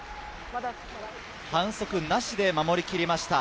反則なしで守りきりました。